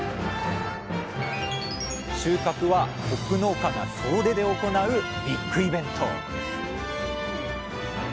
収穫はホップ農家が総出で行うビッグイベントです